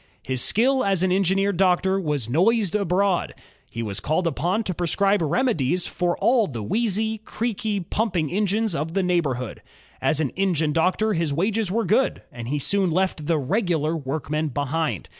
His skill as an engine doctor was noised abroad. He was caUed upon to prescribe remedies for aU the wheezy, creaky pumping engines of the neighborhood. As an engine doctor his wages were good, and he soon left the '* regular'' workmen behind.